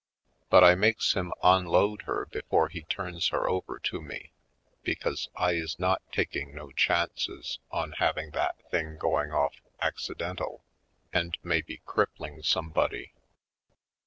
But I makes him onload her before he turns her over to me, because I is not taking no chances on having that thing go ing off accidental and maybe crippling somebody.